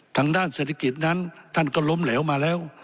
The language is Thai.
ทางด้านเศรษฐกิจนั้นท่านก็ล้มเหลวมาแล้ว